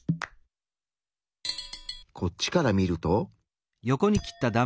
こっちから見ると。